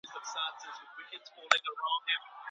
که ښاروالي د ونو پرې کول منع کړي، نو ځنګلونه نه ورانیږي.